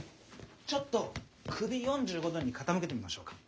ちょっと首４５度に傾けてみましょうか。